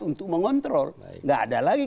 untuk mengontrol nggak ada lagi